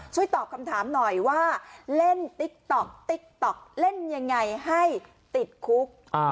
ตอบคำถามหน่อยว่าเล่นติ๊กต๊อกติ๊กต๊อกเล่นยังไงให้ติดคุก